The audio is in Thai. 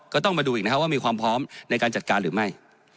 ก็ต้องมาดูอีกนะครับว่ามีความพร้อมในการจัดการหรือไม่